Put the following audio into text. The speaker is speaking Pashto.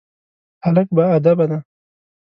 هلک باادبه دی.